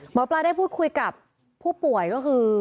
หมอปลาได้พูดคุยกับผู้ป่วยก็คือ